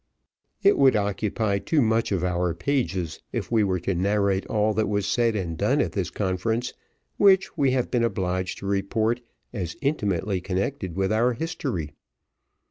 It would occupy too much of our pages, if we were to narrate all that was said and done at this conference, which we have been obliged to report, as intimately connected with our history.